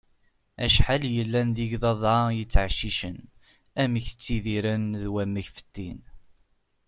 Acḥal yellan d igḍaḍ-a i yettɛeccicen, amek ttidiren d wamek fettin.